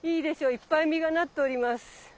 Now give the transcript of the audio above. いっぱい実がなっております。